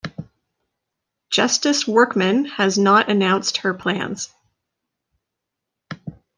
Justice Workman has not announced her plans.